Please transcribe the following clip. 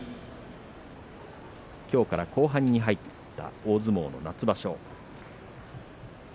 きょうから後半に入った大相撲夏場所。